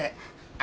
あ！